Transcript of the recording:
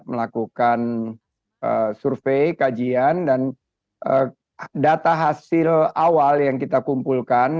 melakukan survei kajian dan data hasil awal yang kita kumpulkan